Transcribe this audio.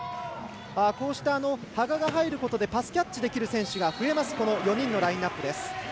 こうして羽賀が入ることでパスキャッチできる選手が増えます、４人のラインアップ。